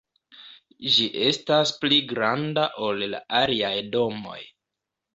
Ĝi estas pli granda ol la aliaj domoj.